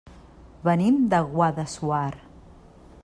Venim de Guadassuar.